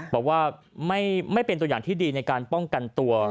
บอกว่าไม่เป็นตัวอย่างที่ดีในการป้องกันตัว